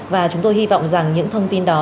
và chúng tôi hy vọng rằng những thông tin đó